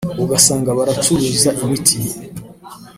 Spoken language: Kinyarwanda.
ugasanga baracuruza imiti